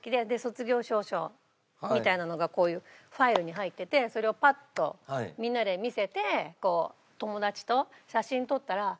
で卒業証書みたいなのがこういうファイルに入っててそれをパッとみんなで見せて友達と写真撮ったら。